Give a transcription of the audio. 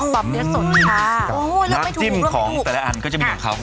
อ๋อปะเบี้ยทสดค่ะอ๋อเลือกไม่ถูกเลือกไม่ถูกน้ำจิ้มของแต่ละอันก็จะมีน้ำขาว